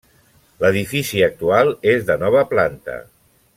L'edifici actual és de nova planta.